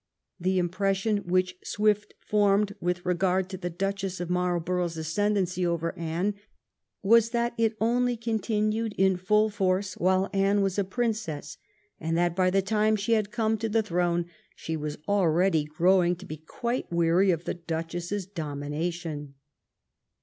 The impres sion which Swift formed with regard to the Duchess of Marlborough's ascendency over Anne was that it only continued in full force while Anne was a prin cess, and that by the time she had come to the throne she was already growing to be quite weary of the Duchess's domination.